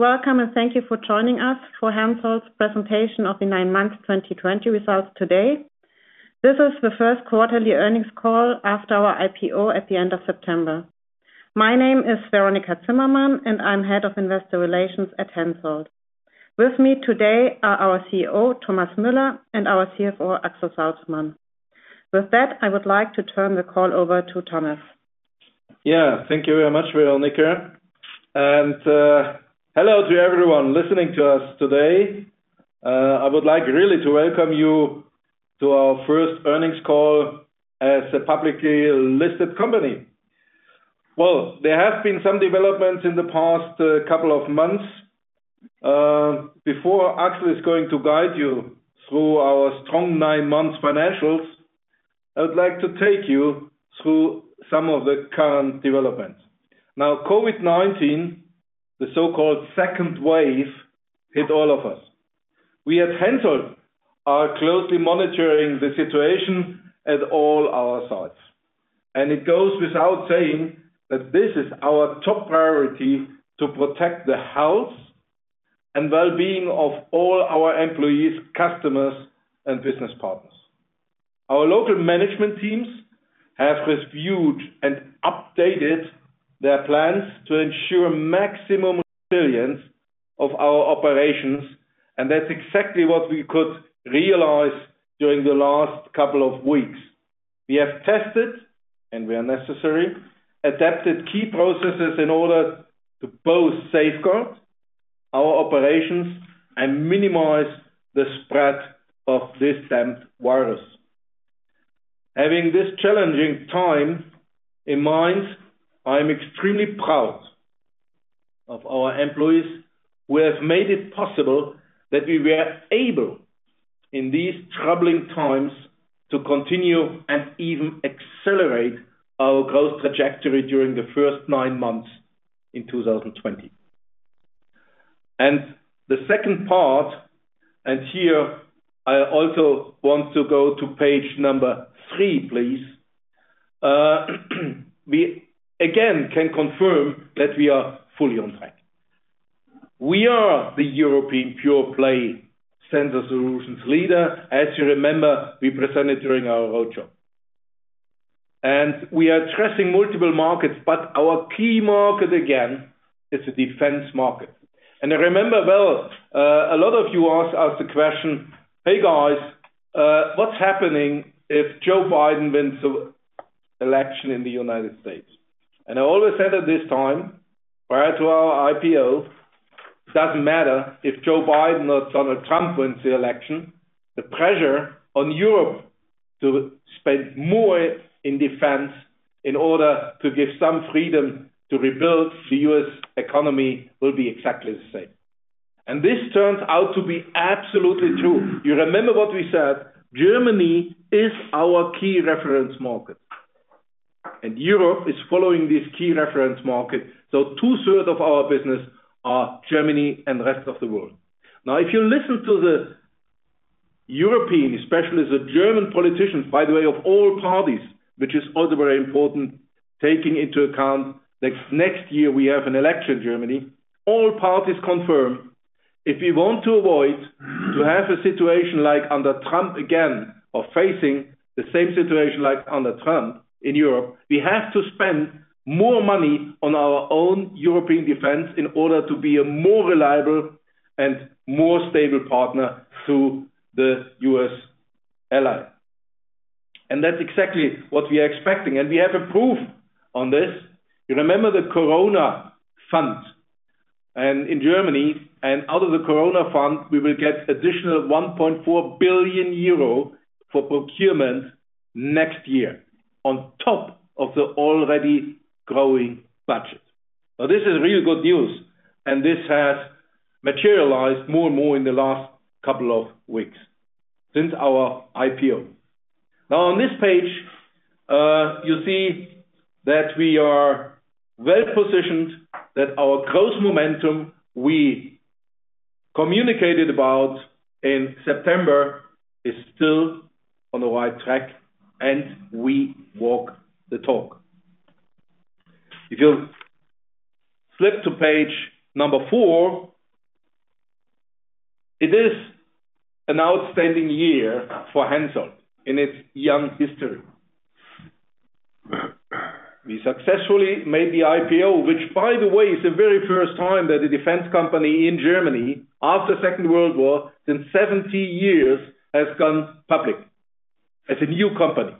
Welcome, and thank you for joining us for Hensoldt's presentation of the nine months 2020 results today. This is the first quarterly earnings call after our IPO at the end of September. My name is Veronika Zimmermann, and I'm Head of Investor Relations at Hensoldt. With me today are our CEO, Thomas Müller, and our CFO, Axel Salzmann. With that, I would like to turn the call over to Thomas. Yeah, thank you very much, Veronika. And hello to everyone listening to us today. I would like really to welcome you to our first earnings call as a publicly listed company. There have been some developments in the past couple of months. Before Axel is going to guide you through our strong nine months financials, I would like to take you through some of the current developments. Now, COVID-19, the so-called second wave, hit all of us. We at Hensoldt are closely monitoring the situation at all our sites. It goes without saying that this is our top priority to protect the health and well-being of all our employees, customers, and business partners. Our local management teams have reviewed and updated their plans to ensure maximum resilience of our operations. That's exactly what we could realize during the last couple of weeks. We have tested, and where necessary, adapted key processes in order to both safeguard our operations and minimize the spread of this damned virus. Having this challenging time in mind, I'm extremely proud of our employees who have made it possible that we were able, in these troubling times, to continue and even accelerate our growth trajectory during the first nine months in 2020. The second part, and here I also want to go to page number three, please, we again can confirm that we are fully on track. We are the European pure play sensor solutions leader. As you remember, we presented during our roadshow. We are addressing multiple markets, but our key market again is the defense market. I remember, well, a lot of you asked us the question, "Hey guys, what's happening if Joe Biden wins the election in the United States?" I always said at this time, prior to our IPO, it doesn't matter if Joe Biden or Donald Trump wins the election, the pressure on Europe to spend more in defense in order to give some freedom to rebuild the U.S. economy will be exactly the same. This turns out to be absolutely true. You remember what we said? Germany is our key reference market. Europe is following this key reference market. Two-thirds of our business are Germany and the rest of the world. Now, if you listen to the European, especially the German politicians, by the way, of all parties, which is also very important, taking into account that next year we have an election in Germany, all parties confirm, if we want to avoid having a situation like under Trump again, or facing the same situation like under Trump in Europe, we have to spend more money on our own European defense in order to be a more reliable and more stable partner to the U.S. ally. And that's exactly what we are expecting. And we have a proof on this. You remember the Corona fund. And in Germany and out of the Corona fund, we will get additional 1.4 billion euro for procurement next year on top of the already growing budget. Now, this is really good news. This has materialized more and more in the last couple of weeks since our IPO. Now, on this page, you see that we are well positioned, that our growth momentum we communicated about in September is still on the right track, and we walk the talk. If you flip to page number four, it is an outstanding year for Hensoldt in its young history. We successfully made the IPO, which, by the way, is the very first time that a defense company in Germany after the Second World War in 70 years has gone public as a new company.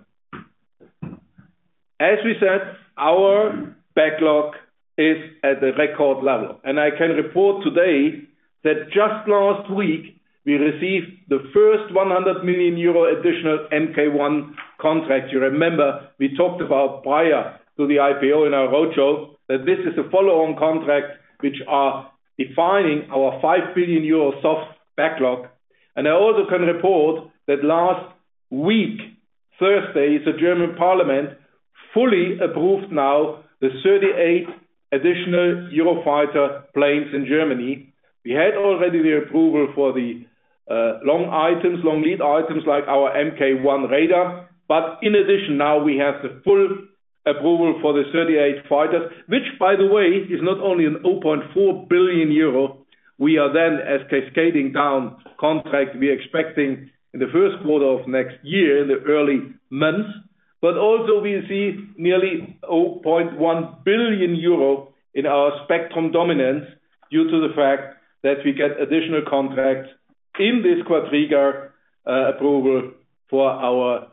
As we said, our backlog is at the record level. I can report today that just last week we received the first 100 million euro additional MK1 contract. You remember we talked about prior to the IPO in our roadshow that this is a follow-on contract which is defining our 5 billion euro soft backlog. I also can report that last week, Thursday, the German Parliament fully approved now the 38 additional Eurofighter planes in Germany. We had already the approval for the long items, long lead items like our MK1 radar. In addition, now we have the full approval for the 38 fighters, which, by the way, is not only 0.4 billion euro we are then cascading down contract we are expecting in the first quarter of next year in the early months. Also we see nearly 0.1 billion euro in our Spectrum Dominance due to the fact that we get additional contracts in this Quadriga approval for our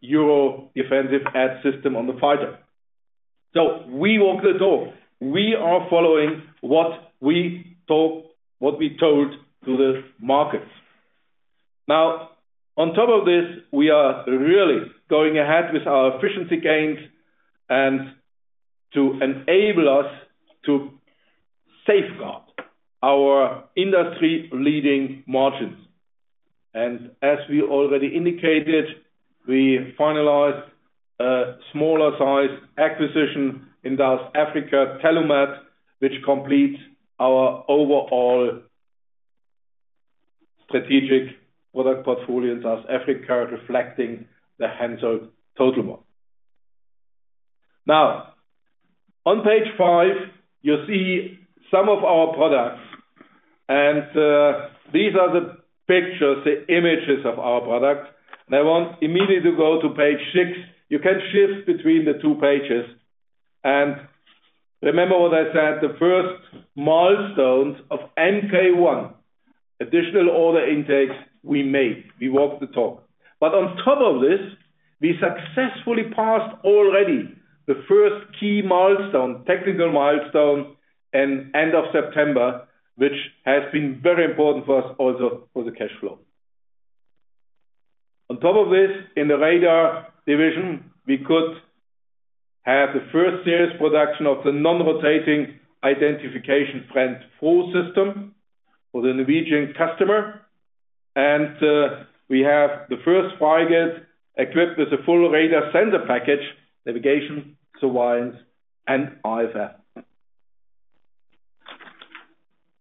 Euro Defensive Aids system on the fighter. We walk the talk. We are following what we talked, what we told to the markets. Now, on top of this, we are really going ahead with our efficiency gains to enable us to safeguard our industry-leading margins. And as we already indicated, we finalized a smaller size acquisition in South Africa, Tellumat, which completes our overall strategic product portfolio in South Africa, reflecting the Hensoldt total one. Now, on page five, you see some of our products. And these are the pictures, the images of our products. And I want immediately to go to page six. You can shift between the two pages. And remember what I said, the first milestones of MK1, additional order intakes we made. We walked the talk. But on top of this, we successfully passed already the first key milestone, technical milestone, at the end of September, which has been very important for us also for the cash flow. On top of this, in the Radar division, we could have the first series production of the non-rotating Identification Friend or Foe system for the Norwegian customer. And we have the first frigate equipped with a full radar sensor package, navigation, surveillance, and IFF.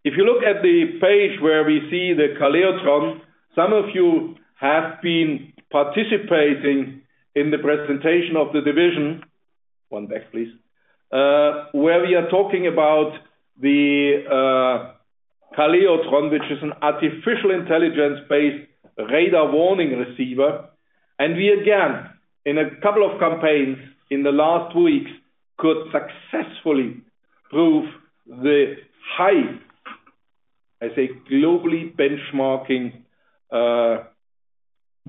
If you look at the page where we see the Kalaetron, some of you have been participating in the presentation of the division. One back, please, where we are talking about the Kalaetron, which is an artificial intelligence-based radar warning receiver. And we again, in a couple of campaigns in the last weeks, could successfully prove the high, I say, globally benchmarking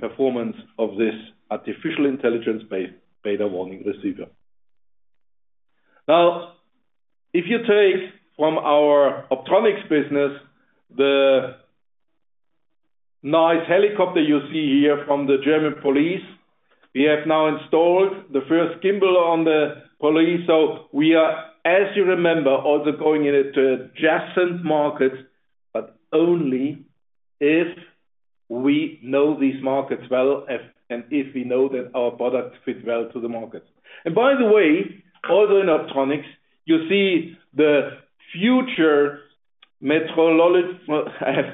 performance of this artificial intelligence-based radar warning receiver. Now, if you take from our Optronics business the nice helicopter you see here from the German police, we have now installed the first gimbal on the police, so we are, as you remember, also going into adjacent markets, but only if we know these markets well and if we know that our products fit well to the markets. And by the way, also in Optronics, you see the future meteorological,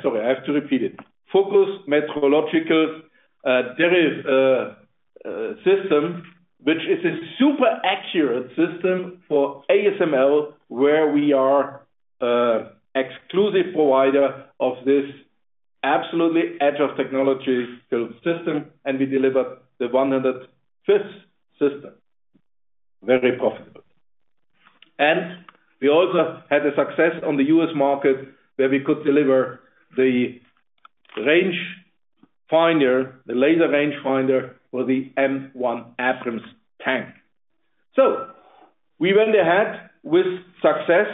sorry, I have to repeat it, Focus Meteorological Systems, which is a super accurate system for ASML, where we are an exclusive provider of this absolutely edge-of-technology system, and we delivered the 105th system, very profitable, and we also had a success on the U.S. market where we could deliver the range finder, the laser range finder for the M1 Abrams tank, so we went ahead with success.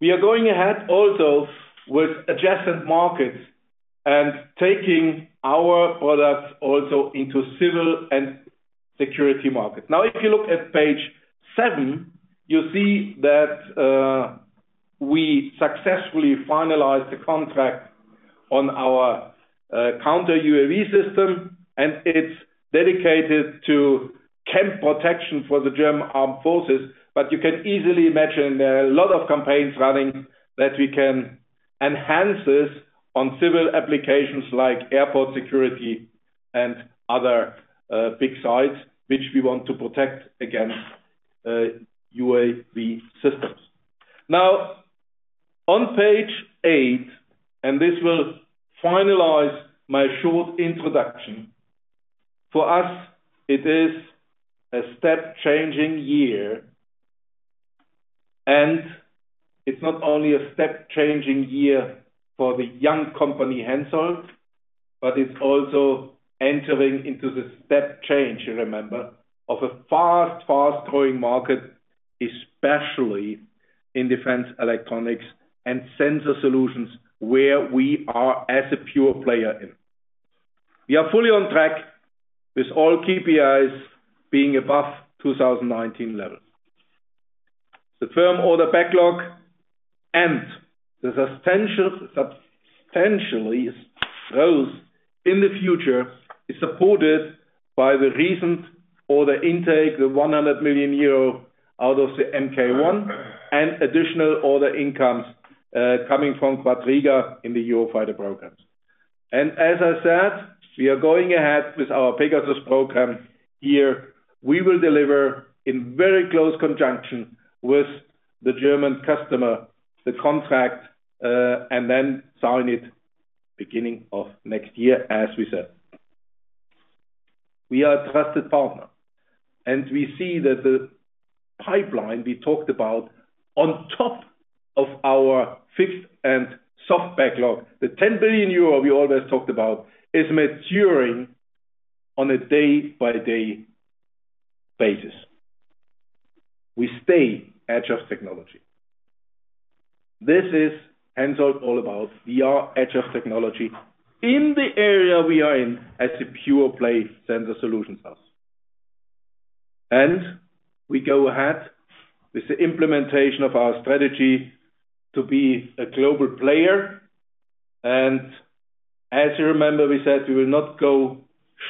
We are going ahead also with adjacent markets and taking our products also into civil and security markets. Now, if you look at page seven, you see that we successfully finalized the contract on our counter UAV system. And it's dedicated to camp protection for the German armed forces. But you can easily imagine there are a lot of campaigns running that we can enhance this on civil applications like airport security and other big sites, which we want to protect against UAV systems. Now, on page eight, and this will finalize my short introduction, for us, it is a step-changing year. And it's not only a step-changing year for the young company Hensoldt, but it's also entering into the step change, you remember, of a fast, fast-growing market, especially in defense electronics and sensor solutions, where we are as a pure play in. We are fully on track with all KPIs being above 2019 level. The firm order backlog and the substantial growth in the future is supported by the recent order intake, the 100 million euro out of the MK1 and additional order incomes coming from Quadriga in the Eurofighter programs. As I said, we are going ahead with our PEGASUS program here. We will deliver in very close conjunction with the German customer the contract and then sign it beginning of next year, as we said. We are a trusted partner. We see that the pipeline we talked about on top of our fixed and soft backlog, the 10 billion euro we always talked about, is maturing on a day-by-day basis. We stay edge-of-technology. This is Hensoldt all about. We are edge-of-technology in the area we are in as a pure play sensor solutions house. And we go ahead with the implementation of our strategy to be a global player. And as you remember, we said we will not go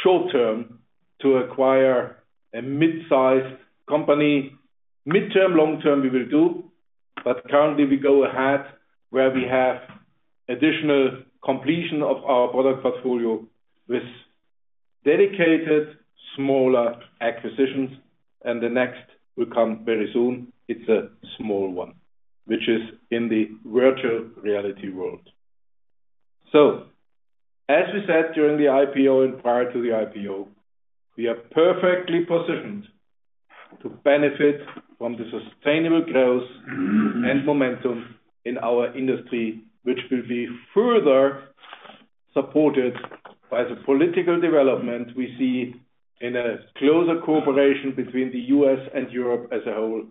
short-term to acquire a mid-sized company. Mid-term, long-term we will do. But currently, we go ahead where we have additional completion of our product portfolio with dedicated smaller acquisitions. And the next will come very soon. It's a small one, which is in the virtual reality world. So as we said during the IPO and prior to the IPO, we are perfectly positioned to benefit from the sustainable growth and momentum in our industry, which will be further supported by the political development we see in a closer cooperation between the U.S. and Europe as a whole,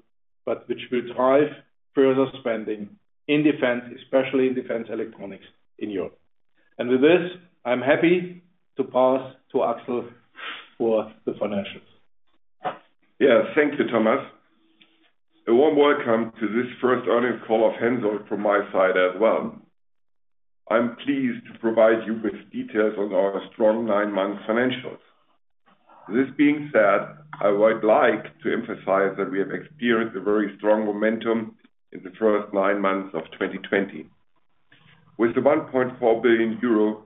but which will drive further spending in defense, especially in defense electronics in Europe. And with this, I'm happy to pass to Axel for the financials. Yeah, thank you, Thomas. A warm welcome to this first earnings call of Hensoldt from my side as well. I'm pleased to provide you with details on our strong nine-month financials. This being said, I would like to emphasize that we have experienced a very strong momentum in the first nine months of 2020. With the 1.4 billion euro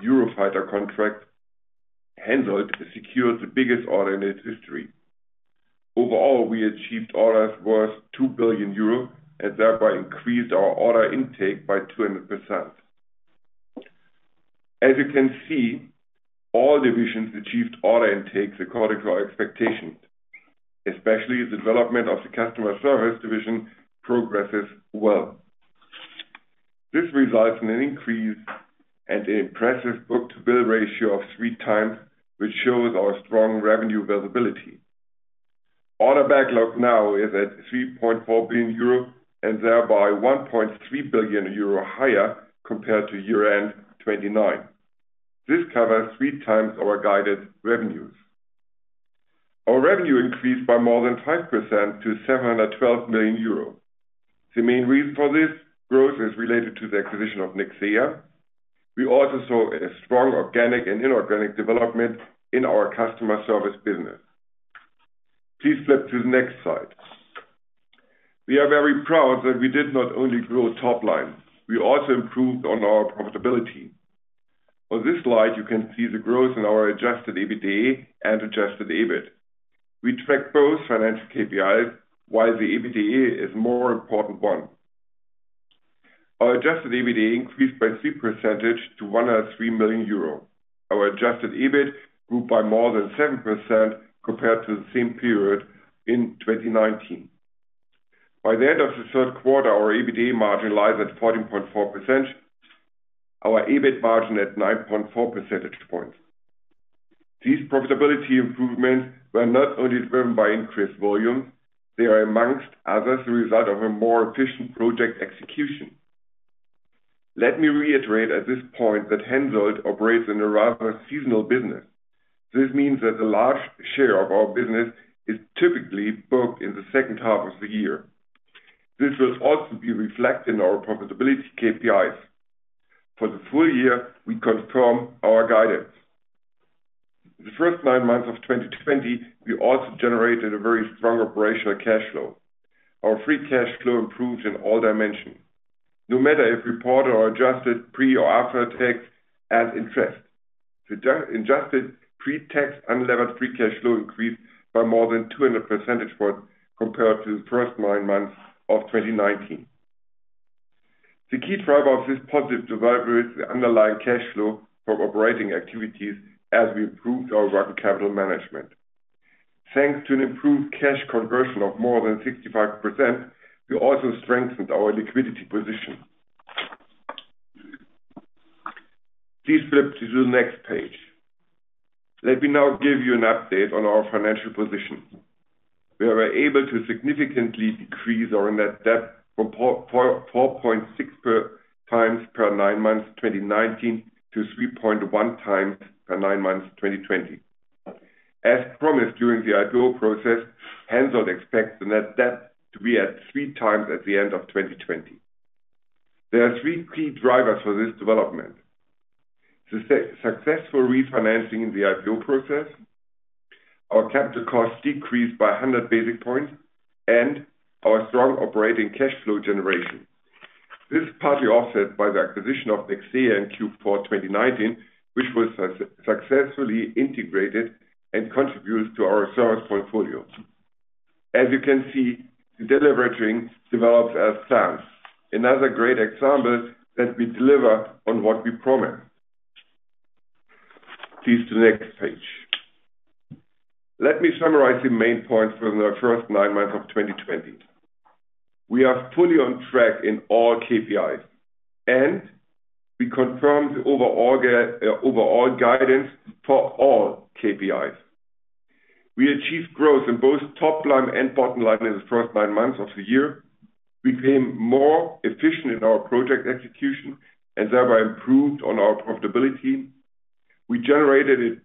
Eurofighter contract, Hensoldt has secured the biggest order in its history. Overall, we achieved orders worth 2 billion euro and thereby increased our order intake by 200%. As you can see, all divisions achieved order intakes according to our expectations, especially the development of the customer service division progresses well. This results in an increase and an impressive book-to-bill ratio of three times, which shows our strong revenue availability. Order backlog now is at 3.4 billion euro and thereby 1.3 billion euro higher compared to year-end 2019. This covers three times our guided revenues. Our revenue increased by more than 5% to 712 million euro. The main reason for this growth is related to the acquisition of Nexeya. We also saw a strong organic and inorganic development in our customer service business. Please flip to the next slide. We are very proud that we did not only grow top line. We also improved on our profitability. On this slide, you can see the growth in our Adjusted EBITDA and Adjusted EBIT. We track both financial KPIs, while the EBITDA is a more important one. Our Adjusted EBITDA increased by 3% to 103 million euro. Our Adjusted EBIT grew by more than 7% compared to the same period in 2019. By the end of the third quarter, our EBITDA margin lies at 14.4%, our EBIT margin at 9.4 percentage points. These profitability improvements were not only driven by increased volumes. They are, among others, the result of a more efficient project execution. Let me reiterate at this point that Hensoldt operates in a rather seasonal business. This means that a large share of our business is typically booked in the second half of the year. This will also be reflected in our profitability KPIs. For the full year, we confirm our guidance. The first nine months of 2020, we also generated a very strong operational cash flow. Our free cash flow improved in all dimensions, no matter if reported or adjusted, pre or after tax, and interest. The adjusted pre-tax unlevered free cash flow increased by more than 200 percentage points compared to the first nine months of 2019. The key driver of this positive delivery is the underlying cash flow from operating activities as we improved our working capital management. Thanks to an improved cash conversion of more than 65%, we also strengthened our liquidity position. Please flip to the next page. Let me now give you an update on our financial position. We were able to significantly decrease our net debt from 4.6 times per nine months 2019 to 3.1 times per nine months 2020. As promised during the IPO process, Hensoldt expects the net debt to be at three times at the end of 2020. There are three key drivers for this development: successful refinancing in the IPO process, our capital cost decreased by 100 basis points, and our strong operating cash flow generation. This is partly offset by the acquisition of Nexeya in Q4 2019, which was successfully integrated and contributes to our service portfolio. As you can see, the delivery train develops as planned. Another great example that we deliver on what we promised. Please to the next page. Let me summarize the main points for the first nine months of 2020. We are fully on track in all KPIs, and we confirm the overall guidance for all KPIs. We achieved growth in both top line and bottom line in the first nine months of the year. We became more efficient in our project execution and thereby improved on our profitability. We generated a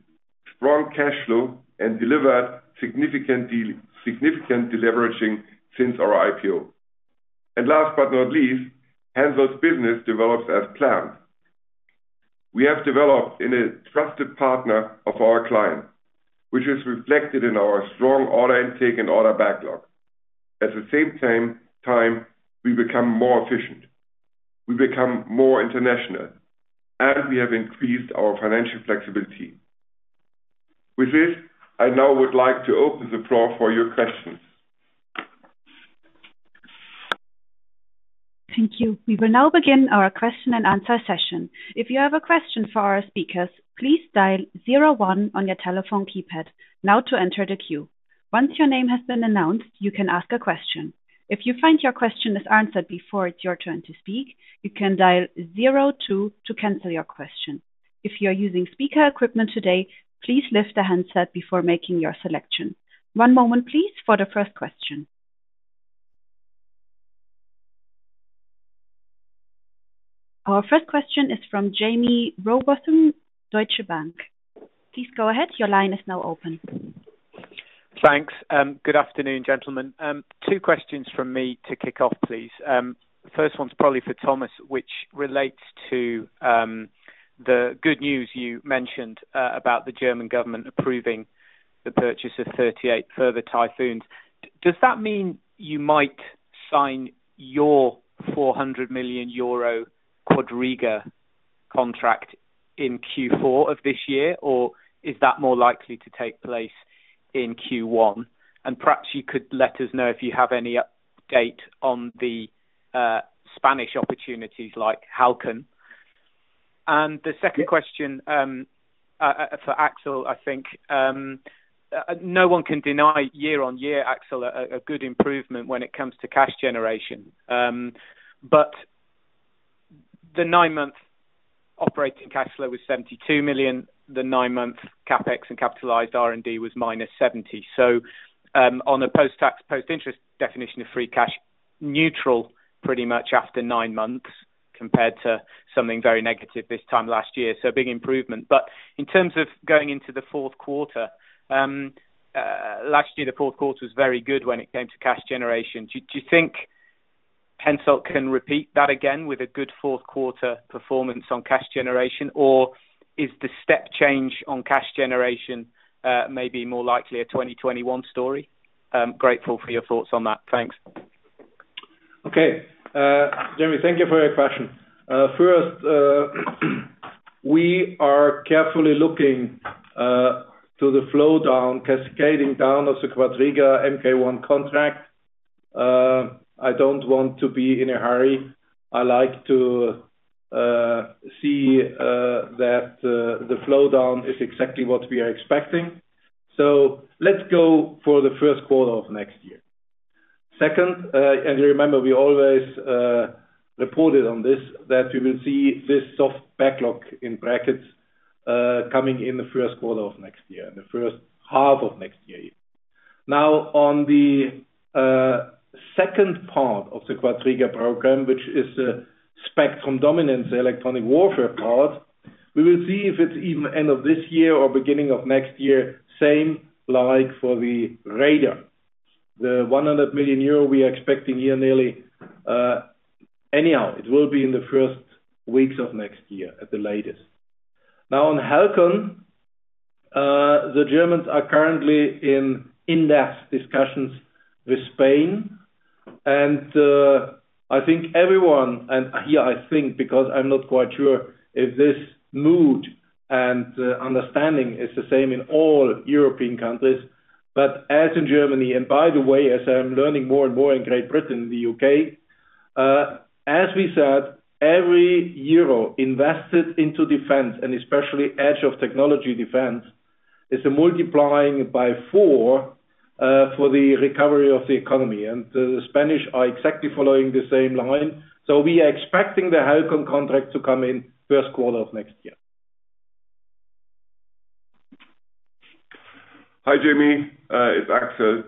strong cash flow and delivered significant deleveraging since our IPO, and last but not least, Hensoldt's business develops as planned. We have developed into a trusted partner of our client, which is reflected in our strong order intake and order backlog. At the same time, we become more efficient. We become more international, and we have increased our financial flexibility. With this, I now would like to open the floor for your questions. Thank you. We will now begin our question and answer session. If you have a question for our speakers, please dial zero one on your telephone keypad now to enter the queue. Once your name has been announced, you can ask a question. If you find your question is answered before it's your turn to speak, you can dial zero two to cancel your question. If you are using speaker equipment today, please lift the handset before making your selection. One moment, please, for the first question. Our first question is from Jamie Rowbotham, Deutsche Bank. Please go ahead. Your line is now open. Thanks. Good afternoon, gentlemen. Two questions from me to kick off, please. The first one's probably for Thomas, which relates to the good news you mentioned about the German government approving the purchase of 38 further Typhoons. Does that mean you might sign your 400 million euro Quadriga contract in Q4 of this year, or is that more likely to take place in Q1? And perhaps you could let us know if you have any update on the Spanish opportunities like Halcon. And the second question for Axel, I think no one can deny year-on-year, Axel, a good improvement when it comes to cash generation. But the nine-month operating cash flow was 72 million. The nine-month CapEx and capitalized R&D was minus 70 million. So on a post-tax, post-interest definition of free cash, neutral pretty much after nine months compared to something very negative this time last year. So a big improvement. But in terms of going into the fourth quarter last year, the fourth quarter was very good when it came to cash generation. Do you think Hensoldt can repeat that again with a good fourth quarter performance on cash generation, or is the step change on cash generation maybe more likely a 2021 story? Grateful for your thoughts on that. Thanks. Okay. Jamie, thank you for your question. First, we are carefully looking to the flow down, cascading down of the Quadriga MK1 contract. I don't want to be in a hurry. I like to see that the flow down is exactly what we are expecting. So let's go for the first quarter of next year. Second, as you remember, we always reported on this that we will see this soft backlog in brackets coming in the first quarter of next year, the first half of next year. Now, on the second part of the Quadriga program, which is the spectrum dominance, the electronic warfare part, we will see if it's even end of this year or beginning of next year, same like for the radar. The 100 million euro we are expecting here nearly anyhow, it will be in the first weeks of next year at the latest. Now, on Halcon, the Germans are currently in-depth discussions with Spain. I think everyone—and here, I think, because I'm not quite sure if this mood and understanding is the same in all European countries, but as in Germany, and by the way, as I'm learning more and more in Great Britain and the U.K., as we said, every euro invested into defense, and especially edge-of-technology defense, is multiplying by four for the recovery of the economy. The Spanish are exactly following the same line. We are expecting the Halcon contract to come in first quarter of next year. Hi, Jamie. It's Axel.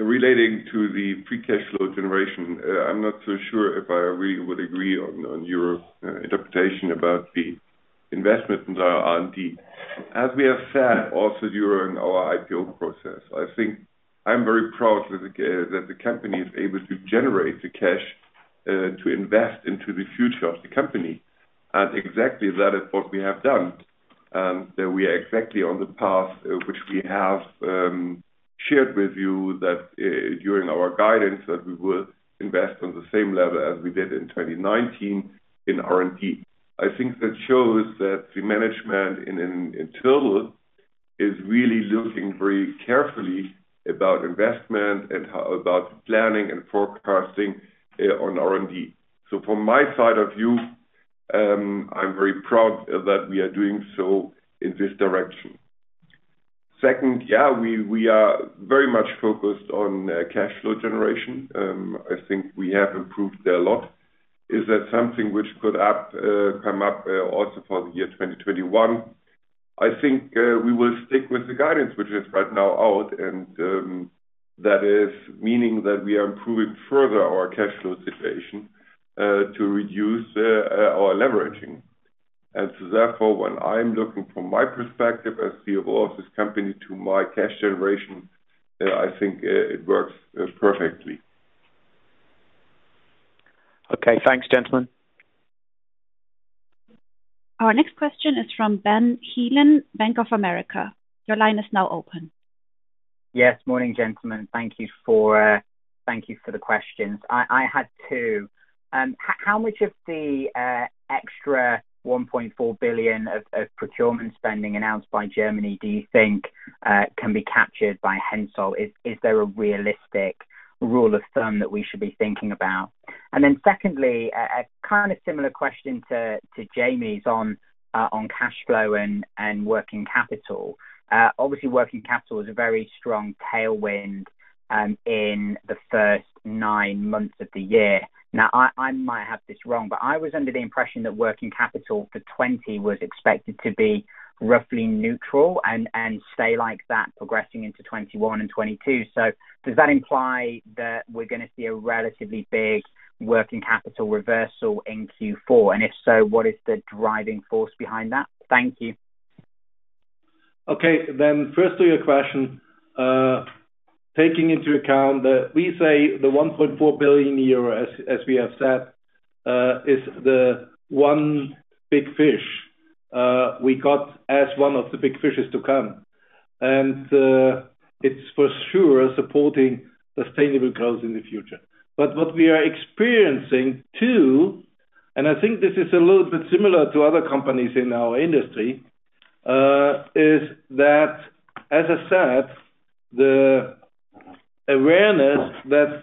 Relating to the free cash flow generation, I'm not so sure if I really would agree on your interpretation about the investment in our R&D. As we have said, also during our IPO process, I think I'm very proud that the company is able to generate the cash to invest into the future of the company. And exactly that is what we have done. We are exactly on the path which we have shared with you that during our guidance, that we will invest on the same level as we did in 2019 in R&D. I think that shows that the management in total is really looking very carefully about investment and about planning and forecasting on R&D. From my side of view, I'm very proud that we are doing so in this direction. Second, yeah, we are very much focused on cash flow generation. I think we have improved there a lot. Is that something which could come up also for the year 2021? I think we will stick with the guidance, which is right now out, and that is meaning that we are improving further our cash flow situation to reduce our leveraging. And so therefore, when I'm looking from my perspective as CFO of this company to my cash generation, I think it works perfectly. Okay. Thanks, gentlemen. Our next question is from Ben Heelan, Bank of America. Your line is now open. Yes. Morning, gentlemen. Thank you for the questions. I had two. How much of the extra 1.4 billion of procurement spending announced by Germany do you think can be captured by Hensoldt? Is there a realistic rule of thumb that we should be thinking about? And then secondly, a kind of similar question to Jamie's on cash flow and working capital. Obviously, working capital is a very strong tailwind in the first nine months of the year. Now, I might have this wrong, but I was under the impression that working capital for 2020 was expected to be roughly neutral and stay like that progressing into 2021 and 2022. So does that imply that we're going to see a relatively big working capital reversal in Q4? And if so, what is the driving force behind that? Thank you. Okay. Then first, to your question, taking into account that we say the 1.4 billion euro, as we have said, is the one big fish we got as one of the big fishes to come. And it's for sure supporting sustainable growth in the future. But what we are experiencing too, and I think this is a little bit similar to other companies in our industry, is that, as I said, the awareness that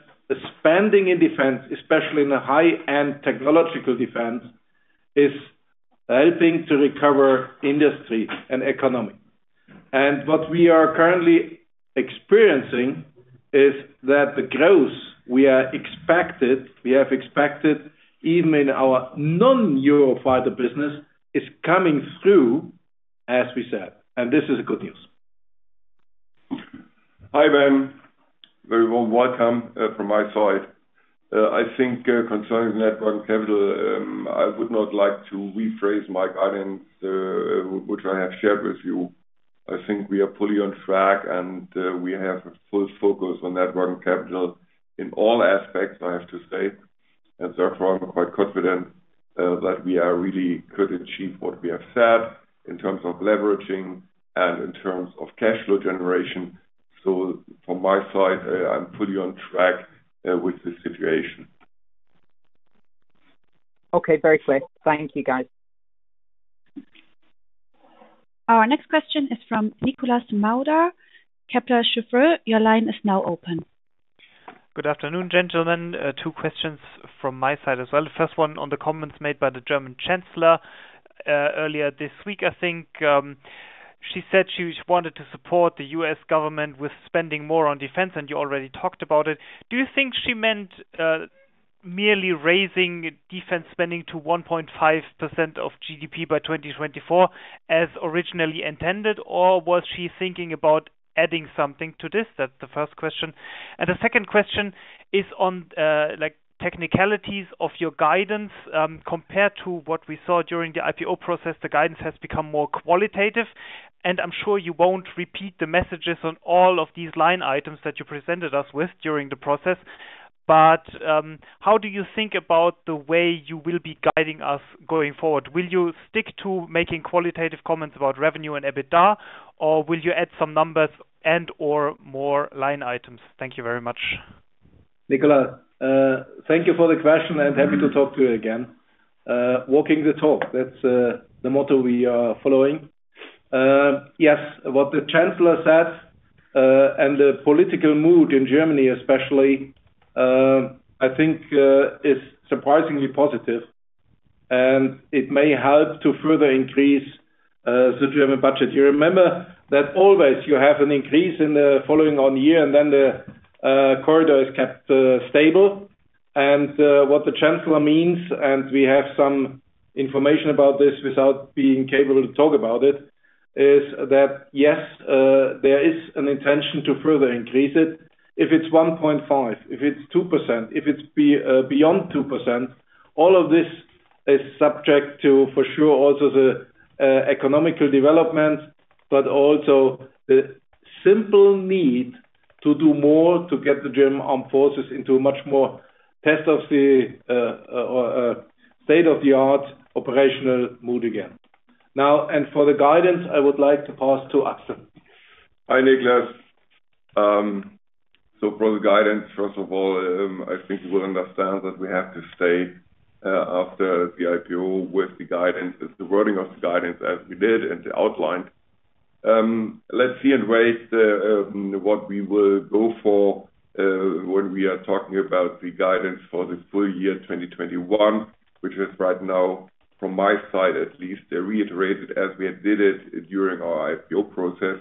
spending in defense, especially in a high-end technological defense, is helping to recover industry and economy. And what we are currently experiencing is that the growth we have expected, even in our non-Eurofighter business, is coming through, as we said. And this is good news. Hi, Ben. Very warm welcome from my side. I think concerning working capital, I would not like to rephrase my guidance, which I have shared with you. I think we are fully on track, and we have a full focus on working capital in all aspects, I have to say, and therefore, I'm quite confident that we really could achieve what we have said in terms of leveraging and in terms of cash flow generation, so from my side, I'm fully on track with the situation. Okay. Very clear. Thank you, guys. Our next question is from Nikolas Mauder, Kepler Cheuvreux. Your line is now open. Good afternoon, gentlemen. Two questions from my side as well. The first one on the comments made by the German Chancellor earlier this week, I think. She said she wanted to support the U.S. government with spending more on defense, and you already talked about it. Do you think she meant merely raising defense spending to 1.5% of GDP by 2024 as originally intended, or was she thinking about adding something to this? That's the first question, and the second question is on technicalities of your guidance. Compared to what we saw during the IPO process, the guidance has become more qualitative, and I'm sure you won't repeat the messages on all of these line items that you presented us with during the process, but how do you think about the way you will be guiding us going forward? Will you stick to making qualitative comments about revenue and EBITDA, or will you add some numbers and/or more line items? Thank you very much. Nikolas, thank you for the question, and happy to talk to you again. Walking the talk, that's the motto we are following. Yes, what the Chancellor said and the political mood in Germany, especially, I think is surprisingly positive. And it may help to further increase the German budget. You remember that always you have an increase in the following year, and then the corridor is kept stable. And what the Chancellor means, and we have some information about this without being able to talk about it, is that, yes, there is an intention to further increase it. If it's 1.5%, if it's 2%, if it's beyond 2%, all of this is subject to, for sure, also the economic development, but also the simple need to do more to get the German armed forces into a much more state-of-the-art operational mode again. Now, for the guidance, I would like to pass to Axel. Hi, Nikolas. So for the guidance, first of all, I think you will understand that we have to stay after the IPO with the wording of the guidance as we did and outlined. Let's see and wait what we will go for when we are talking about the guidance for the full year 2021, which is right now, from my side at least, reiterated as we did it during our IPO process,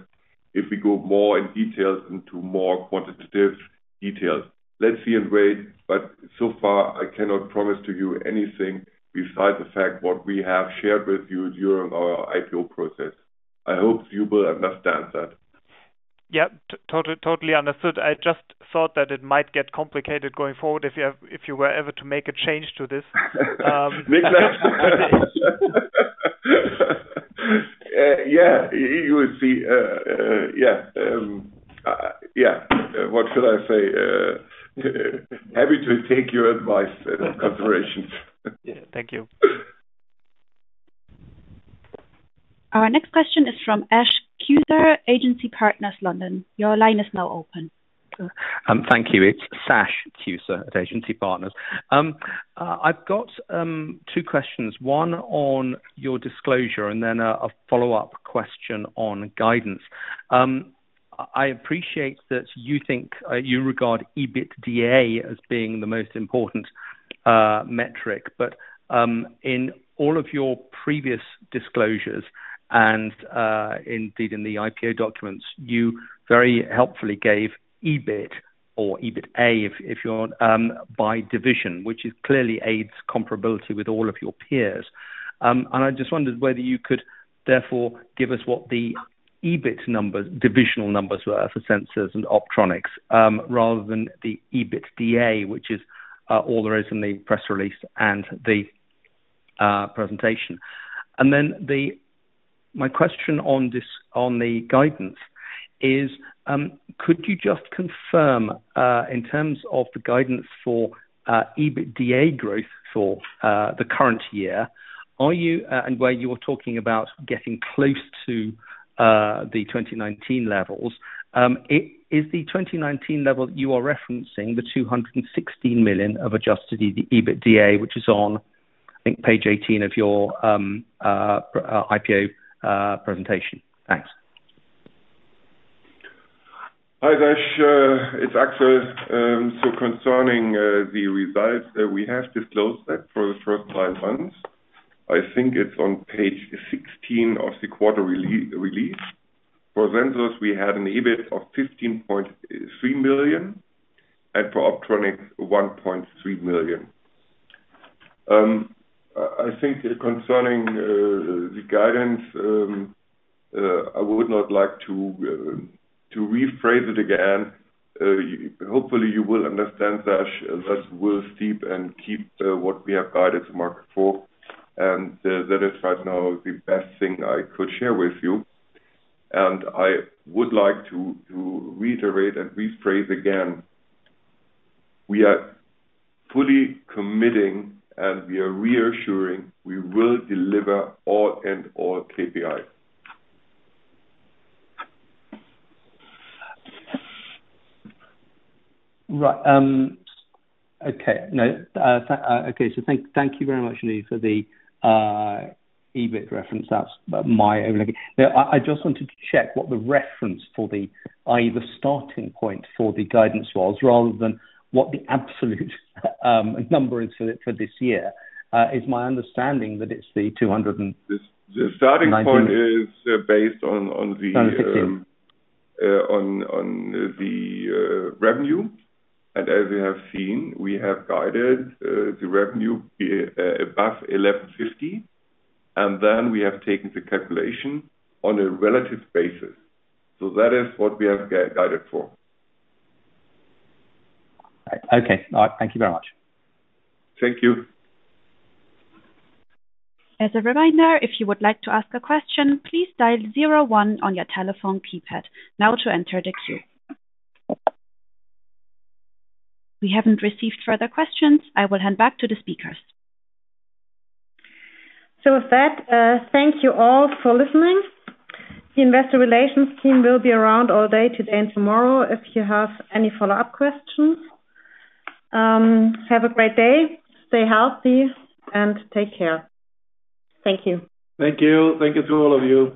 if we go more in detail into more quantitative details. Let's see and wait. But so far, I cannot promise to you anything besides the fact what we have shared with you during our IPO process. I hope you will understand that. Yep. Totally understood. I just thought that it might get complicated going forward if you were ever to make a change to this. Nikolas. Yeah. You will see. Yeah. Yeah. What should I say? Happy to take your advice and considerations. Yeah. Thank you. Our next question is from Sash Tusa, Agency Partners, London. Your line is now open. Thank you. It's Sash Tusa at Agency Partners. I've got two questions. One on your disclosure and then a follow-up question on guidance. I appreciate that you regard EBITDA as being the most important metric, but in all of your previous disclosures and indeed in the IPO documents, you very helpfully gave EBIT or EBITA, if you want, by division, which clearly aids comparability with all of your peers, and I just wondered whether you could therefore give us what the EBIT division numbers were for sensors and Optronics rather than the EBITDA, which is all there is in the press release and the presentation. Then my question on the guidance is, could you just confirm in terms of the guidance for EBITDA growth for the current year, and where you were talking about getting close to the 2019 levels, is the 2019 level that you are referencing the 216 million of Adjusted EBITDA, which is on, I think, page 18 of your IPO presentation? Thanks. Hi, guys. It's Axel. Concerning the results that we have disclosed for the first five months, I think it's on page 16 of the quarter release. For Sensors, we had an EBIT of 15.3 million and for Optronics, 1.3 million. Concerning the guidance, I would not like to rephrase it again. Hopefully, you will understand, Sash, that we'll stick and keep what we have guided for. That is right now the best thing I could share with you. I would like to reiterate and rephrase again. We are fully committing, and we are reassuring we will deliver all in all KPIs. Right. Okay. No. Okay. Thank you very much, for the EBIT reference. That's my oversight. I just wanted to check what the reference for the, i.e., the starting point for the guidance was rather than what the absolute number is for this year. It's my understanding that it's the 200. The starting point is based on the revenue. As you have seen, we have guided the revenue above 1,150, and then we have taken the calculation on a relative basis. That is what we have guided for. Okay. All right. Thank you very much. Thank you. As a reminder, if you would like to ask a question, please dial zero one on your telephone keypad now to enter the queue. We haven't received further questions. I will hand back to the speakers. So with that, thank you all for listening. The investor relations team will be around all day today and tomorrow if you have any follow-up questions. Have a great day. Stay healthy and take care. Thank you. Thank you. Thank you to all of you.